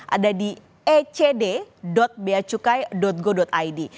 ada di ecd beacukai go id